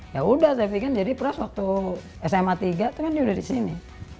sudah saya pikirkan jadi pras waktu sma tiga itu kan dia sudah di sini